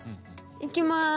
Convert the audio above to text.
いきます。